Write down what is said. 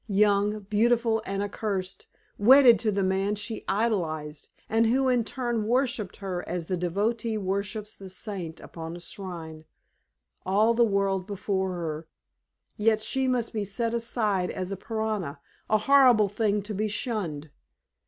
Young, beautiful, and accursed, wedded to the man she idolized, and who in turn worshiped her as the devotee worships the saint upon a shrine; all the world before her, yet she must be set aside as a pariah, a horrible thing to be shunned.